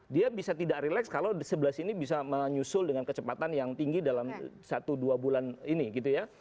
dia bisa tidak relax kalau sebelah sini bisa menyusul dengan kecepatan yang tinggi dalam satu dua bulan ini gitu ya